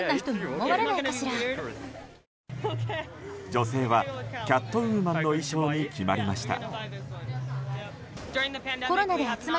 女性はキャットウーマンの衣装に決まりました。